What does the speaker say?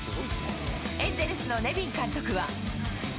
エンゼルスのネビン監督は。